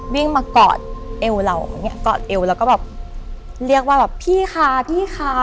วิ่งมากอดเอวเราอย่างเงี้กอดเอวแล้วก็แบบเรียกว่าแบบพี่ค่ะพี่คะ